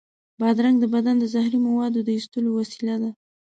بادرنګ د بدن د زهري موادو د ایستلو وسیله ده.